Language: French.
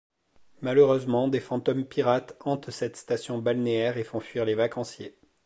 Malheureusement, des fantômes pirates hantent cette station balnéaire et font fuir les vacanciers.